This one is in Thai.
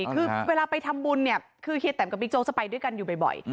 คือเวลาไปทำบุญเนี่ยคือเฮียแตมกับบิ๊กโจ๊จะไปด้วยกันอยู่บ่อย